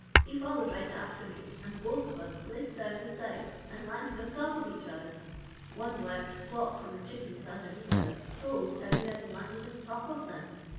He followed right after me and both of us slid down the side and landed on top of each other. One wild squawk from the chickens underneath us told how we had landed on top of them.